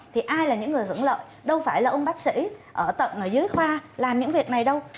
thì ai là những người hưởng lợi đâu phải là ông bác sĩ ở tận ở dưới khoa làm những việc này đâu